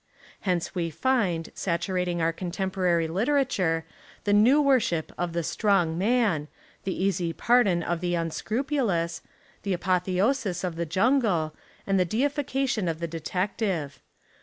Hence we find, saturating our contemporary literature, the new worship 58 The Devil and the Deep Sea of the Strong Man, the easy pardon of the Un scrupulous, the Apotheosis of the Jungle, and the Deification of the Detective.